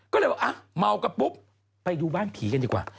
ก็เลยว่าเมากันปุ๊บไปดูบ้านผีกันดีกว่า